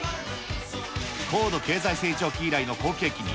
高度経済成長期以来の好景気に、